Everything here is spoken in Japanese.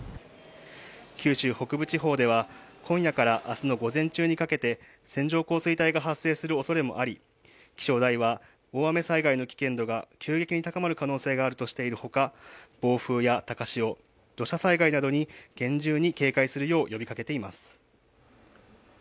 九州北部地方では今夜から明日の午前中にかけて線状降水帯が発生するおそれもあり、気象台は大雨災害の危険度が急激に高まる可能性があるとしているほか、暴風や高潮、土砂災害などに厳重に警戒するよう呼びかけています。